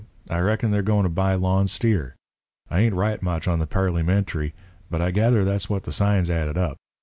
I reckon they're goin' to buy Lon's steer. I ain't right much on the parlyment'ry, but I gather that's what the signs added up.